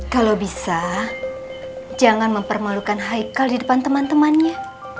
kalau bisa jangan mempermalukan haikal di depan teman temannya